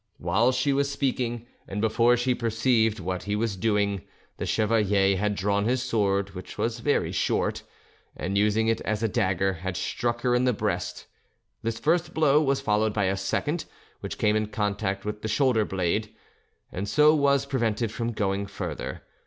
While she was speaking, and before she perceived what he was doing, the chevalier had drawn his sword, which was very short, and using it as a dagger, had struck her in the breast; this first blow was followed by a second, which came in contact with the shoulder blade, and so was prevented from going farther.